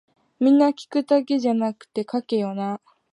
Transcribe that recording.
皆聞くだけじゃなくて書けよな